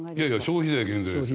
消費税減税ですよ。